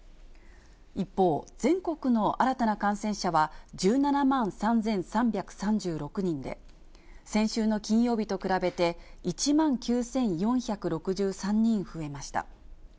一方、全国の新たな感染者は１７万３３３６人で、先週の金曜日と比べて１万９４６３人増えました。